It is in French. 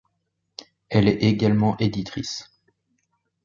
Elle est également éditrice.